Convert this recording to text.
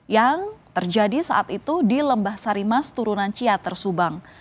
yang terjadi saat itu di lembah sarimas turunan ciater subang